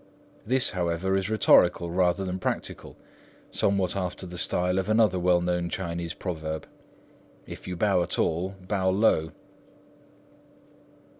This, however, is rhetorical rather than practical, somewhat after the style of another well known Chinese proverb, "If you bow at all, bow low."